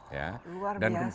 wow luar biasa